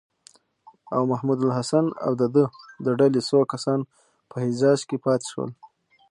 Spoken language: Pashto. او محمودالحسن او د ده د ډلې څو کسان په حجاز کې پاتې شول.